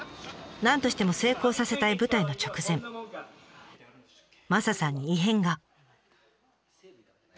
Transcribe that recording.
なんとしても成功させたい舞台の直前マサさんに異変が。